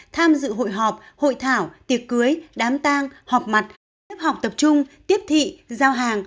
tham dự hội họp hội thảo tiệc cưới đám tang họp mặt lớp học tập trung tiếp thị giao hàng